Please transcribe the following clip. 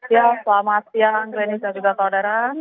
ya selamat siang reni dan juga saudara